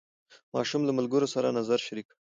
ماشوم له ملګرو سره نظر شریک کړ